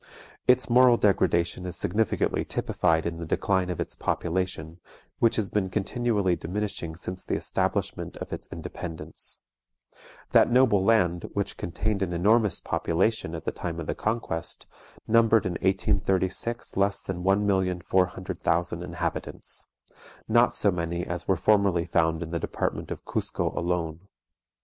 Its moral degradation is significantly typified in the decline of its population, which has been continually diminishing since the establishment of its independence. That noble land, which contained an enormous population at the time of the Conquest, numbered in 1836 less than 1,400,000 inhabitants; not so many as were formerly found in the department of Cusco alone.